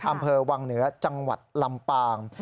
อำเภอวังเหนือจังหวัดลำปาง